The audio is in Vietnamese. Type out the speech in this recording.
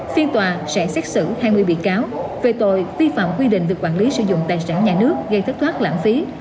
phiên tòa sẽ xét xử hai mươi bị cáo về tội vi phạm quy định về quản lý sử dụng tài sản nhà nước gây thất thoát lãng phí